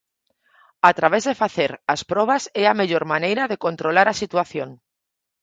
A través de facer as probas é a mellor maneira de controlar a situación.